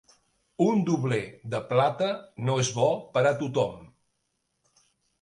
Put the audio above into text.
Un dobler de plata no és bo per a tothom.